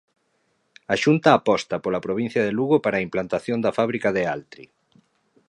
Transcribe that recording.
A Xunta aposta pola provincia de Lugo para a implantación da fábrica de Altri.